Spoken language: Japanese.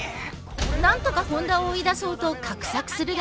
なんとか本田を追い出そうと画策するが。